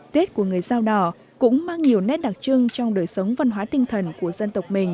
tết của người dao đỏ cũng mang nhiều nét đặc trưng trong đời sống văn hóa tinh thần của dân tộc của việt nam